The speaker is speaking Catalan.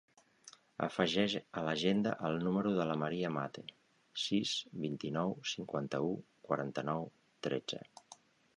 Afegeix a l'agenda el número de la Maria Mate: sis, vint-i-nou, cinquanta-u, quaranta-nou, tretze.